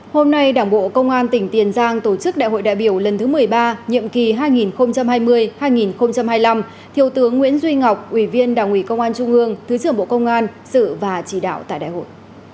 hôm nay đảng bộ công an tỉnh tiền giang tổ chức đại hội đại biểu lần thứ một mươi ba nhiệm kỳ hai nghìn hai mươi hai nghìn hai mươi năm thiếu tướng nguyễn duy ngọc ủy viên đảng ủy công an trung ương thứ trưởng bộ công an sự và chỉ đạo tại đại hội